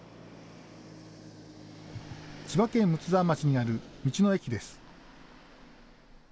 千葉県睦沢町にある道の駅です。